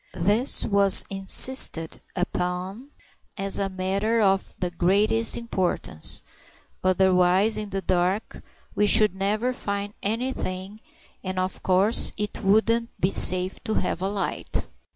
This was insisted upon as a matter of the greatest importance; otherwise, in the dark, we should never find anything, and of course it wouldn't be safe to have a light.